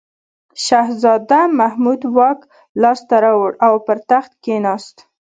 شهزاده محمود واک لاس ته راوړ او پر تخت کښېناست.